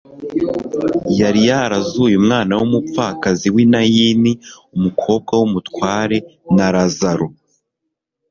Yari yarazuye umwana w'umupfakazi w'i Nayini, umukobwa w'umutware, na Lazaro.